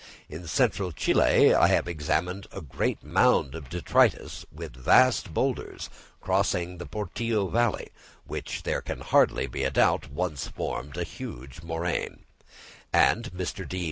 In central Chile I examined a vast mound of detritus with great boulders, crossing the Portillo valley, which, there can hardly be a doubt, once formed a huge moraine; and Mr. D.